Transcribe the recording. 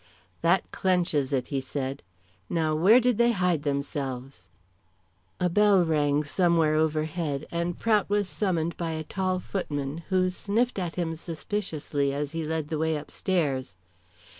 "That clenches it," he said. "Now where did they hide themselves?" A bell rang somewhere overhead, and Prout was summoned by a tall footman, who sniffed at him suspiciously as he led the way upstairs.